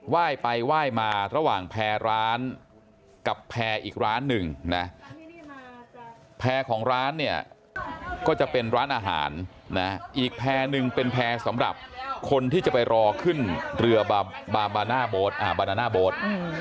ว่ายไปว่ายมาระหว่างแพรร้านกับแพรอีกร้านหนึ่งแพรของร้านเนี่ยก็จะเป็นร้านอาหารอีกแพรนึงเป็นแพรสำหรับคนที่จะไปรอขึ้นเรือบานานาโบสต์